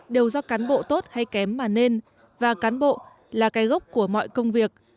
đều do cán bộ tốt hay kém mà nên và cán bộ là cái gốc của mọi công việc